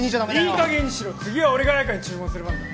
いいかげんにしろ次は俺が綾華に注文する番だ